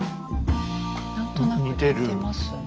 何となく似てますね。